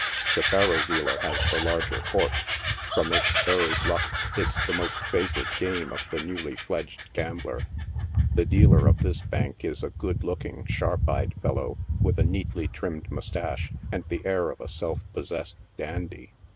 The " faro" dealer has the larger court 5 from its varied luck, it's the most favored game of the newly fledged gambler. The dealer of this bank is a fine looking, sharp eyed fellow, with a neatly trimmed moustache, and the air cf a self possessed dandy.